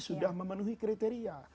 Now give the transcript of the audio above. sudah memenuhi kriteria